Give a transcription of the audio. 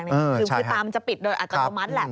คือตามจะปิดโดยอัตโนมัติแหละ